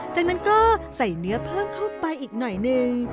จากนั้นก็ใส่เนื้อเพิ่มเข้าไปอีกหน่อยนึง